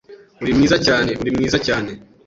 Uri mwiza cyane, uri mwiza cyane